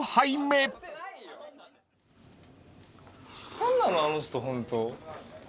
何なのあの人ホント。